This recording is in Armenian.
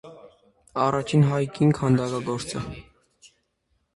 Առաջին հայ կին քանդակագործը։